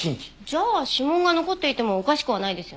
じゃあ指紋が残っていてもおかしくはないですよね。